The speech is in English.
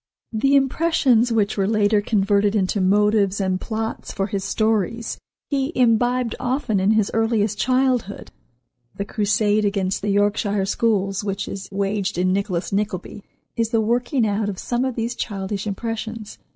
The impressions which were later converted into motives and plots for his stories he imbibed often in his earliest childhood. The crusade against the Yorkshire schools which is waged in "Nicholas Nickleby," is the working out of some of these childish impressions.